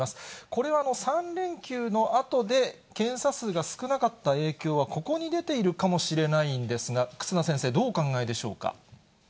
これは３連休のあとで検査数が少なかった影響はここに出ているかもしれないんですが、忽那先生、どうお考えでしょうか。